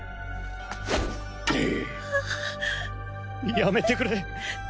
やめてくれ。